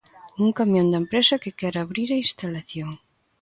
Un camión da empresa que quere abrir a instalación.